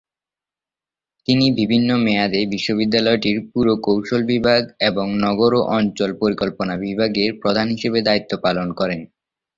তিনি বিভিন্ন মেয়াদে বিশ্ববিদ্যালয়টির পুরকৌশল বিভাগ এবং নগর ও অঞ্চল পরিকল্পনা বিভাগের প্রধান হিসেবে দায়িত্ব পালন করেন।